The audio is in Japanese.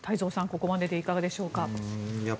ここまででいかがでしょうか。